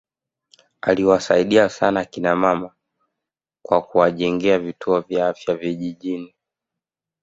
aliwasaidia sana kina mama kwa kujengea vituo vya afya vijijini